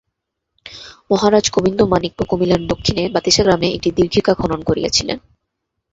মহারাজ গোবিন্দমাণিক্য কুমিল্লার দক্ষিণে বাতিসা গ্রামে একটি দীর্ঘিকা খনন করাইয়াছিলেন।